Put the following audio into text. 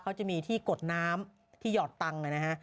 เขาจะมีที่กดน้ำที่หยอดตังค์นะฮะ